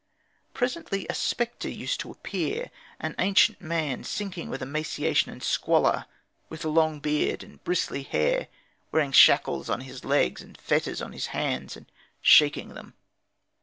Presently a specter used to appear, an ancient man sinking with emaciation and squalor, with a long beard and bristly hair, wearing shackles on his legs and fetters on his hands, and shaking them.